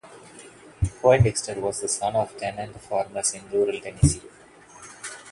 Poindexter was the son of tenant farmers in rural Tennessee.